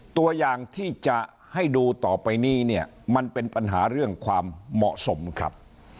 ตัวอย่างที่จะให้ดูต่อไปนี้เนี่ยมันเป็นปัญหาเรื่องความเหมาะสมครับ